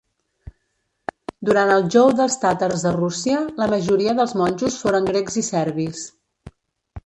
Durant el jou dels tàtars de Rússia, la majoria dels monjos foren grecs i serbis.